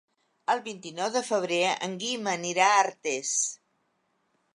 El vint-i-nou de febrer en Guim anirà a Artés.